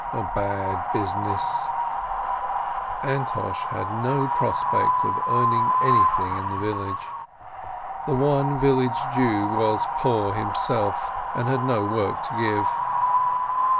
A bad business !" Antosh had no prospect of earning anything in the village. The one village Jew was poor himself, and had no work to give.